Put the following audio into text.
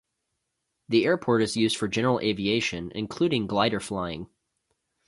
The airport is used for general aviation, including glider flying.